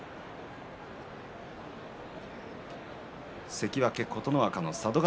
関脇琴ノ若の佐渡ヶ